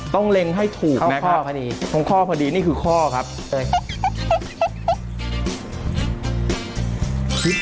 ต้องเล็งให้ถูกนะครับเพราะข้อพอดีนี่คือข้อครับใช่ครับเพราะข้อพอดี